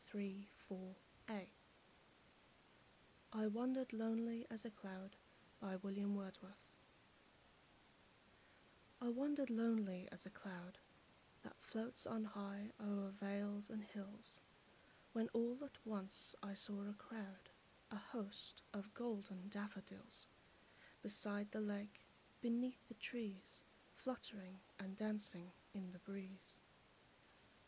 William Wordsworth I Wandered Lonely As a Cloud I WANDERED lonely as a cloud That floats on high o'er vales and hills, When all at once I saw a crowd, A host, of golden daffodils; Beside the lake, beneath the trees, Fluttering and dancing in the breeze.